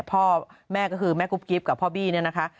พ่อแม่ก็คือแม่กุ๊บกิ๊บกับพ่อบี้เนี่ยนะคะ